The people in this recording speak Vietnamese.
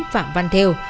phạm văn thêu